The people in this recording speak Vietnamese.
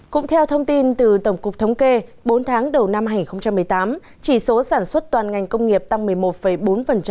cũng theo thông tin từ tổng cục thống kê bốn tháng đầu năm hai nghìn một mươi tám chỉ số sản xuất toàn ngành công nghiệp tăng một mươi một bốn